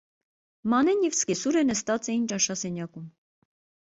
Մանեն և սկեսուրը նստած էին ճաշասենյակում: